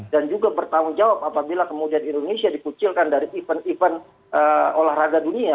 dan juga bertanggung jawab apabila kemudian indonesia dikucilkan dari event event olahraga dunia